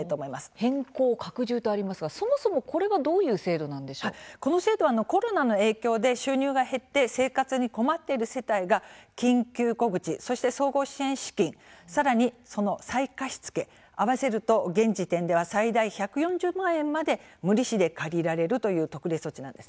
変更・拡充とありますがそもそもこれはこの制度はコロナの影響で収入が減って生活が困っている世帯が緊急小口そして総合支援資金、そして再貸し付けを合わせると現時点では最大１４０万円まで無利子で借りられるという特例措置なんです。